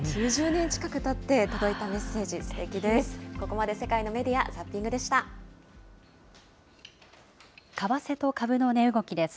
９０年近くたって届いたメッセージ、すてきです。